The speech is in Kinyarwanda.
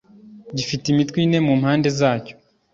gifite imitwe ine mu mpande zacyo